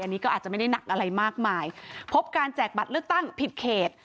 อันนี้ก็อาจจะไม่ได้หนักอะไรมากมายพบการแจกบัตรเลือกตั้งผิดเขต